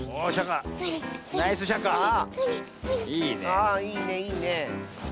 ああいいねいいね。